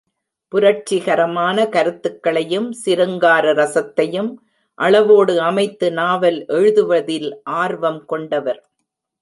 புரட்சிகரமான கருத்துக்களையும், சிருங்கார ரசத்தையும் அளவோடு அமைத்து நாவல் எழுதுவதில் ஆர்வம் கொண்டவர்.